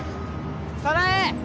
早苗！